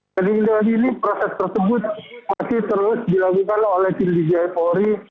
jadi dari ini proses tersebut masih terus dilakukan oleh tim dgnri